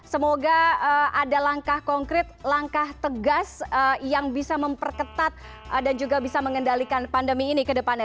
semoga ada langkah konkret langkah tegas yang bisa memperketat dan juga bisa mengendalikan pandemi ini ke depannya